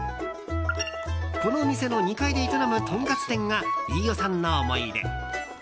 この店の２階で営むとんかつ店が飯尾さんの思い出。